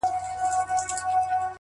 هره ورځ د عادتونو جوړولو وخت دی،